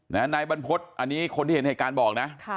นายบรรพฤษอันนี้คนที่เห็นเหตุการณ์บอกนะ